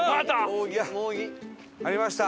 ありました。